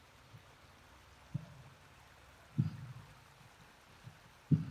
多边形的顶点是系统能够产生的最饱和的颜色。